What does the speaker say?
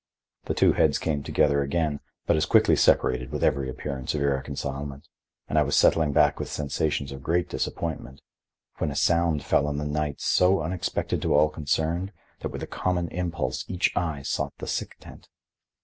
The two heads came together again, but as quickly separated with every appearance of irreconcilement, and I was settling back with sensations of great disappointment, when a sound fell on the night so unexpected to all concerned that with a common impulse each eye sought the sick tent.